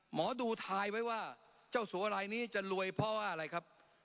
หมอดูทายไว้ว่าเจ้าสัวลายนี้จะรวยเพราะว่าอะไรครับ